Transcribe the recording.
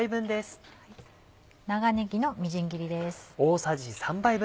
長ねぎのみじん切りです。